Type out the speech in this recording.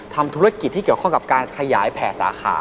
ทำธุรกิจที่เกี่ยวข้องกับการขยายแผ่สาขา